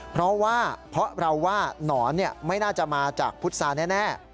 เพราะว่านอนไม่น่าจะมาจากพุทธศาสตร์แน่